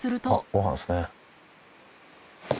ごはんですね。